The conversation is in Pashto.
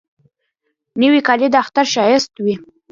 نوې کالی د اختر ښایست وي